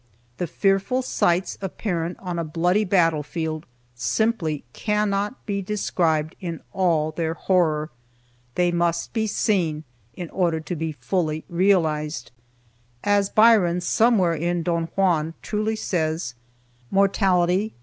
The fearful sights apparent on a bloody battlefield simply cannot be described in all their horror. They must be seen in order to be fully realized. As Byron, somewhere in "Don Juan," truly says: "Mortality!